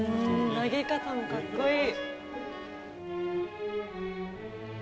投げ方もかっこいい。